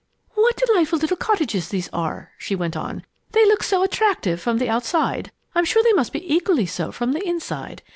"What delightful little cottages these are!" she went on. "They look so attractive from the outside. I'm sure they must be equally so from the inside.